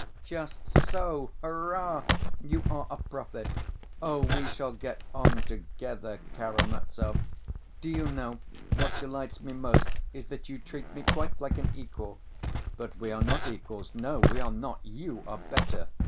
"Just so, hurrah! You are a prophet. Oh, we shall get on together, Karamazov! Do you know, what delights me most, is that you treat me quite like an equal. But we are not equals, no, we are not, you are better!